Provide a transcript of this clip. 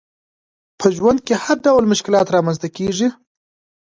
په ژوند کي هرډول مشکلات رامنځته کیږي